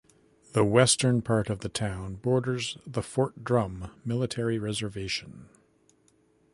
The western part of the town borders the Fort Drum Military Reservation.